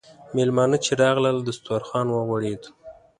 میلمانه چې راغلل، دسترخوان وغوړېد.